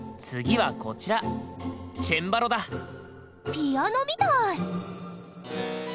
ピアノみたい！